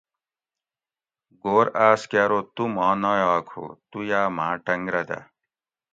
گھور آس کہ ارو تو ماں نایاک ہو تو یا ماں ٹنگ رہ دہ